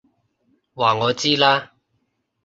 話我知啦！